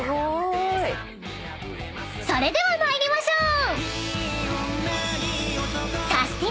［それでは参りましょう］